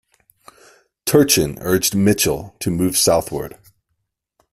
Turchin urged Mitchel to move southward.